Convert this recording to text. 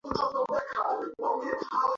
তুমি এখন কী চাও?